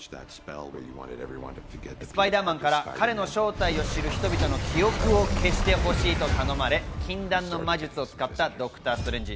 スパイダーマンから彼の正体を知る人々の記憶を消してほしいと頼まれ、禁断の魔術を使ったドクター・ストレンジ。